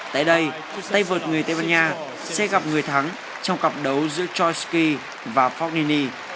tay vượt người tây ban nha sẽ gặp người thắng trong cặp đấu giữa choski và fognini